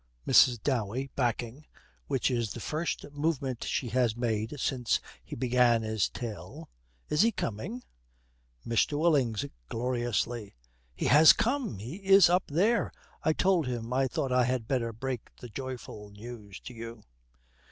"' MRS. DOWEY, backing, which is the first movement she has made since he began his tale, 'Is he coming?' MR. WILLINGS, gloriously, 'He has come. He is up there. I told him I thought I had better break the joyful news to you.'